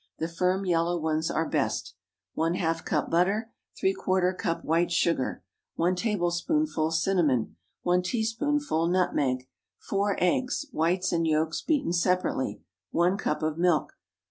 The firm yellow ones are best. ½ cup butter. ¾ cup white sugar. 1 tablespoonful cinnamon. 1 teaspoonful nutmeg. 4 eggs—whites and yolks beaten separately. 1 cup of milk.